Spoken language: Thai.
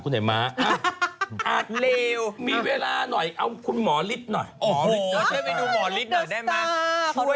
พี่ปุ้ยลูกโตแล้ว